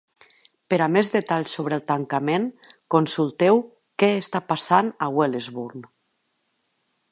Per a més detalls sobre el tancament, consulteu Què està passant a Wellesbourne?